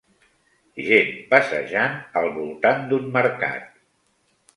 Gent passejant al voltant d'un mercat